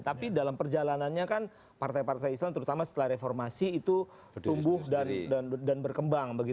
tapi dalam perjalanannya kan partai partai islam terutama setelah reformasi itu tumbuh dan berkembang